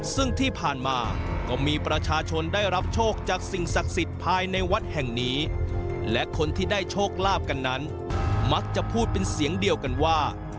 ซึ่งที่ผ่านมาก็มีประชาชนได้รับโชคจากสิ่งศักดิ์สิทธิ์ภายในวัดแห่งนี้และคนที่ได้โชคลาภกันนั้นมักจะพูดเป็นเสียงเดียวกันว่า